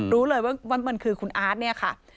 รู้เลยว่ามันคือคุณอาร์ตเนี่ยค่ะ